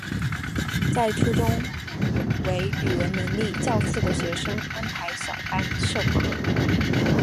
在初中为语文能力较次的学生安排小班授课。